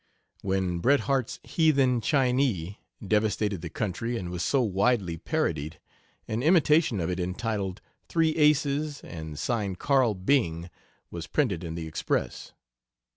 When Bret Harte's "Heathen Chinee" devastated the country, and was so widely parodied, an imitation of it entitled, "Three Aces," and signed "Carl Byng," was printed in the Express.